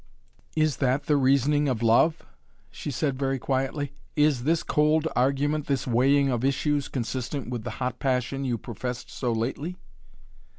"Is that the reasoning of love?" she said very quietly. "Is this cold argument, this weighing of issues consistent with the hot passion you professed so lately?"